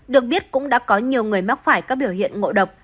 được biết cũng đã có nhiều người mắc phải các biểu hiện ngộ độc